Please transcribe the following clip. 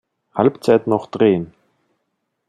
Halbzeit noch drehen.